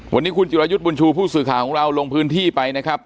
วันนี้คุณจิรายุทธ์บุญชูผู้สื่อข่าวของเราลงพื้นที่ไปนะครับ